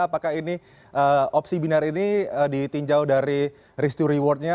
apakah ini opsi binar ini ditinjau dari risk to rewardnya